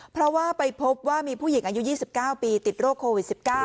เพราะว่าไปพบว่ามีผู้หญิงอายุ๒๙ปีติดโรคโควิด๑๙